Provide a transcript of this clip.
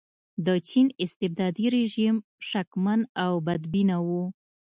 د چین استبدادي رژیم شکمن او بدبینه و.